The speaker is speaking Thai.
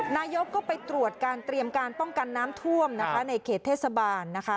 นายกก็ไปตรวจการเตรียมการป้องกันน้ำท่วมนะคะในเขตเทศบาลนะคะ